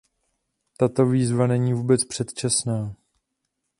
Tato výzva není vůbec předčasná.